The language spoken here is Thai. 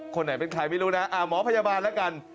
คนไหนเป็นใครไม่รู้นะหมอพยาบาลแล้วกัน